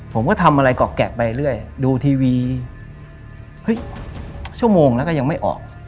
ผมก็ทำอะไรกรอกแกะไปเรื่อยดูทีวีเฮ้ยชั่วโมงแล้วก็ยังไม่ออก